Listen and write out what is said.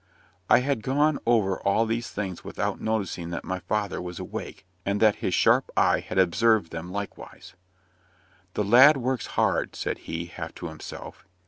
I had gone over all these things without noticing that my father was awake, and that his sharp eye had observed them likewise. "The lad works hard," said he, half to himself.